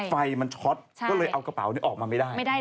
ไฟมันช็อตก็เลยเอากระเป๋านี้ออกมาไม่ได้